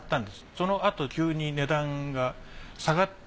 そのあと急に値段が下がった。